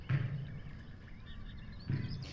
Ishyoqmaslar, komandirimiz bizni shunday atardi